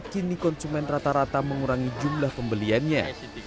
kini konsumen rata rata mengurangi jumlah pembeliannya